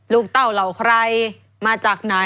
เต้าเหล่าใครมาจากไหน